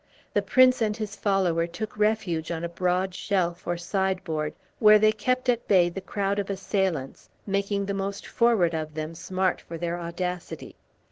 The Prince and his followers took refuge on a broad shelf or side board, where they kept at bay the crowd of assailants, making the most forward of them smart for their audacity.